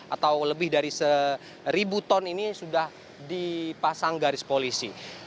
atau lebih dari seribu ton ini sudah dipasang garis polisi